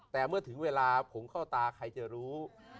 แต่เมื่อเวลาถึงคงเข้าตาใครจะรู้